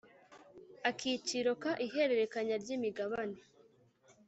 Akiciro ka Ihererekanya ry imigabane